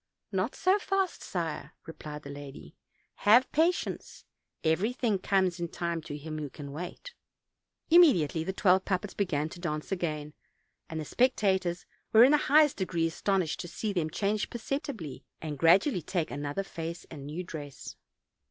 "Not so fast, sire," replied the lady; "have patience; 'everything comes in time to him who can wait.' " Immediately the twelve puppets began to dance again, and the spectators were in the highest degree astonished to see them change perceptibly, and gradually take another face and new dress.